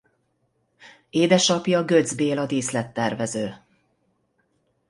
Édesapja Götz Béla díszlettervező.